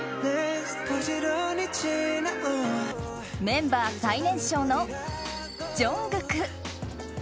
メンバー最年少のジョングク！